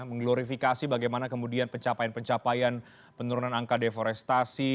mengglorifikasi bagaimana kemudian pencapaian pencapaian penurunan angka deforestasi